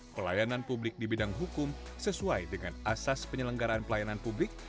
pelayanan publik di bidang hukum sesuai dengan asas penyelenggaraan pelayanan publik